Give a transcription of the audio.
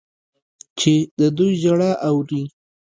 چې د دوی ژړا اوري.